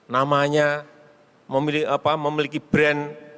namanya memiliki brand